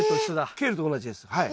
ケールと同じですはい。